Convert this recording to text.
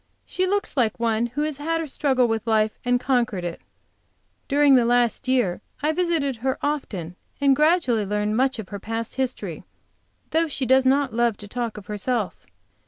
She looks like one who has had her struggle with life and conquered it. During last year I visited her often and gradually learned much of her past history, though she does not love to talk of herself.